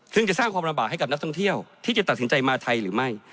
ซึ่งจะสร้างความลำบากให้กับนักท่องเที่ยวที่จะตัดสินใจมาไทยหรือไม่